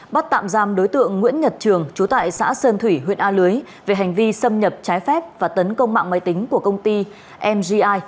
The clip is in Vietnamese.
bắt tạm giam đối tượng nguyễn nhật trường trú tại xã sơn thủy huyện a lưới về hành vi xâm nhập trái phép và tấn công mạng máy tính của công ty mgi